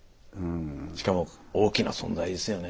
しかも大きな存在ですよね。